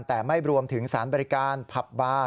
แต่ไม่รวมถึงสารบริการผับบาร์